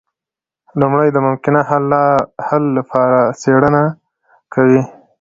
لومړی د ممکنه حل لپاره څیړنه کوي.